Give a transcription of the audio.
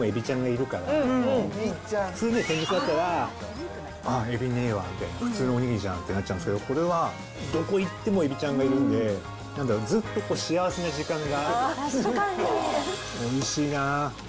一番いいのはあれですね、どこから食べてもエビちゃんがいるから、普通ね、天むすだったら、あっ、エビねえわみたいな、普通のおにぎりじゃんってなっちゃうんですけど、これは、どこ行ってもエビちゃんがいるんで、なんかずっと幸せな時間が。